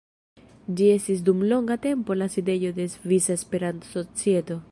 Ĝi estis dum longa tempo la sidejo de Svisa Esperanto-Societo.